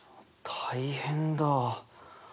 大変だ！